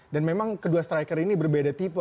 dan memang kedua striker ini berbeda tipe